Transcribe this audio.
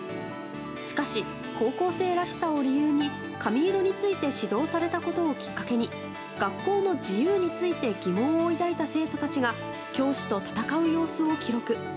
しかし、高校生らしさを理由に髪色について指導されたことをきっかけに学校の自由について疑問を抱いた生徒たちが教師と戦う様子を記録。